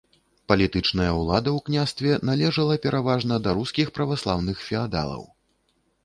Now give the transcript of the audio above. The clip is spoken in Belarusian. Палітычная ўлада ў княстве належала пераважна да рускіх праваслаўных феадалаў.